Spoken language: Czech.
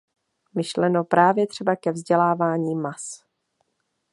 Myšleno právě třeba ke vzdělávání mas.